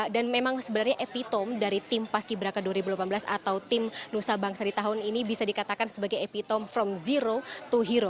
memang sebenarnya epitom dari tim paski braka dua ribu delapan belas atau tim nusa bangsa di tahun ini bisa dikatakan sebagai epitom from zero to hero